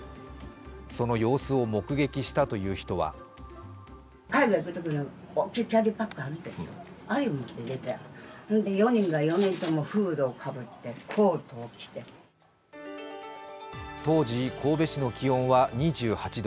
その様子を目撃したという人は当時、神戸市の気温は２８度。